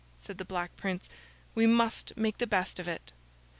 said the Black Prince, 'we must make the best of it.